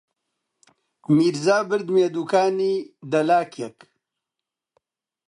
میرزا بردمییە دووکانی دەلاکێک